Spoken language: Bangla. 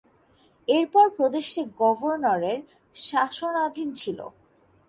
এরপর প্রদেশটি গভর্নরের শাসনাধীন ছিল।